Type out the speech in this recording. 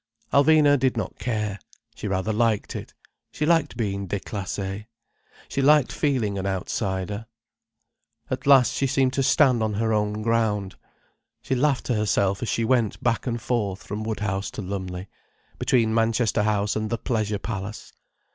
Alvina did not care. She rather liked it. She liked being déclassée. She liked feeling an outsider. At last she seemed to stand on her own ground. She laughed to herself as she went back and forth from Woodhouse to Lumley, between Manchester House and the Pleasure Palace.